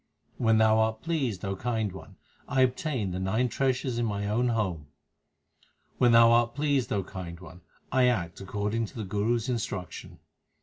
When Thou art pleased, O Kind One, I obtain the nine treasures in my own home. When Thou art pleased, O Kind One, I act according to the Guru s instruction.